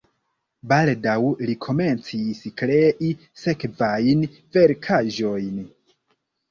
Baldaŭ li komencis krei sekvajn verkaĵojn.